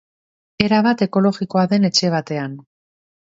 Erabat ekologikoa den etxe batean.